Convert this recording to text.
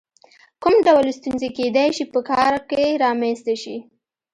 کوم ډول ستونزې کېدای شي په کار کې رامنځته شي؟